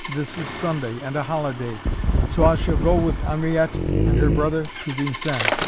This is Sunday and a holiday, so I shall go with Henriette and her brother to Vincennes.